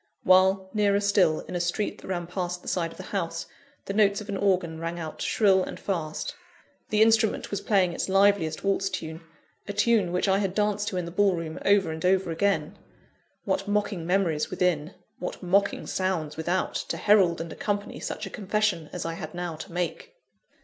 While, nearer still, in a street that ran past the side of the house, the notes of an organ rang out shrill and fast; the instrument was playing its liveliest waltz tune a tune which I had danced to in the ball room over and over again. What mocking memories within, what mocking sounds without, to herald and accompany such a confession as I had now to make!